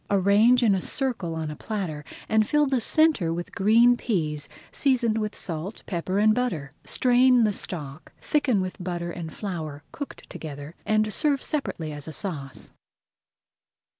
Arrange in a circle on a platter, and fill the centre with green peas seasoned with salt, pepper, and butter. Strain the stock, thicken with butter and flour cooked together, and serve separately as a sauce.